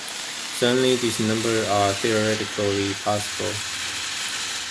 Certainly these numbers are theoretically possible.